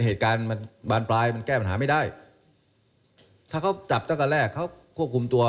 เหตุการณ์มันบานปลายมันแก้ปัญหาไม่ได้ถ้าเขาจับตั้งแต่แรกเขาควบคุมตัว